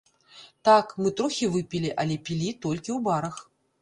Так, мы трохі выпілі, але пілі толькі ў барах.